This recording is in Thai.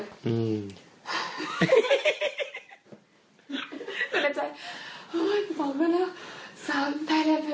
แน่ใจบอกมาแล้วสำไทยแลนด์เทอร์